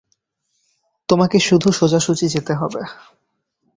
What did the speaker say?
তোমাকে শুধু সোজাসুজি যেতে হবে।